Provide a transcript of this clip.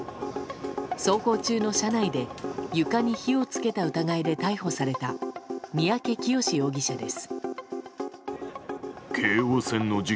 走行中の車内で床に火を付けた疑いで逮捕された三宅潔容疑者です。